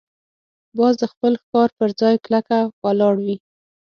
باز د خپل ښکار پر ځای کلکه ولاړ وي